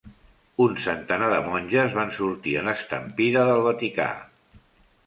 Un centenar de monges van sortir en estampida del Vaticà.